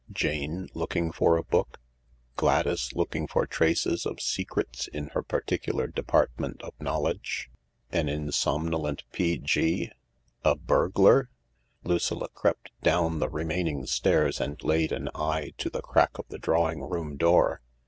Jane, looking for a book ? Gladys, looking for traces of secrets in her particular department of knowledge ? Aninsomnolent P.G. ? A burglar ? Lucilla crept down the remaining stairs and laid an eye to the crack of the drawing room door.